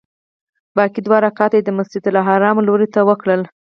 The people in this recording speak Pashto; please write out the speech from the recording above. باقي دوه رکعته یې د مسجدالحرام لوري ته وکړل.